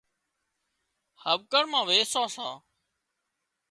هٻڪڻ مان ويسان سان